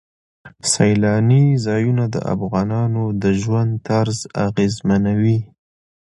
سیلاني ځایونه د افغانانو د ژوند طرز اغېزمنوي.